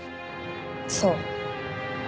そう。